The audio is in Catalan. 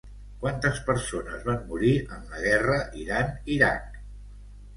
Quantes persones van morir en la Guerra Iran-Iraq?